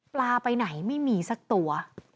ไปไหนไม่มีสักตัว